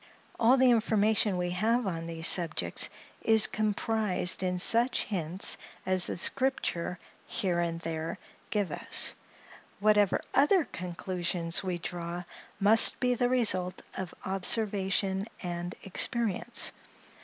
All the information we have on these subjects is comprised in such hints as the Scripture here and there give us: whatever other conclusions we draw, must be the result of observation and experience.